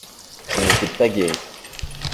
Je n'étais pas guéri.